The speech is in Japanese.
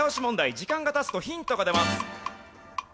時間が経つとヒントが出ます。